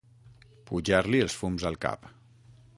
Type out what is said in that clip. Pujar-li els fums al cap.